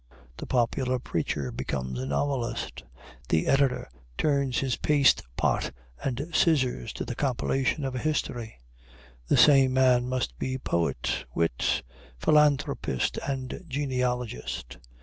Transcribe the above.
The popular preacher becomes a novelist; the editor turns his paste pot and scissors to the compilation of a history; the same man must be poet, wit, philanthropist, and genealogist.